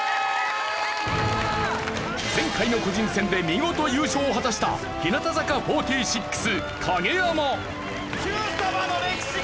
前回の個人戦で見事優勝を果たした日向坂４６影山。